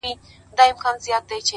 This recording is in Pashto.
o بیا خرڅ کړئ شاه شجاع یم پر پردیو ـ